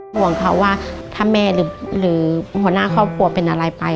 ห่วงเขาว่าถ้าแม่หรือหัวหน้าครอบครัวเป็นอะไรไป